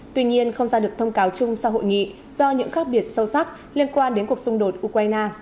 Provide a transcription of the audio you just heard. tuy nhiên không ra được thông cáo chung sau hội nghị do những khác biệt sâu sắc liên quan đến cuộc xung đột ukraine